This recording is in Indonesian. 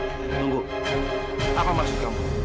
tunggu apa maksud kamu